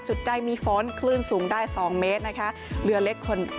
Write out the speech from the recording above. จุดใดมีฝนคลื่นสูงได้สองเมตรนะคะเหลือเล็กคน